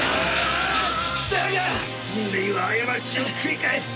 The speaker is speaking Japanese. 人類は過ちを繰り返す！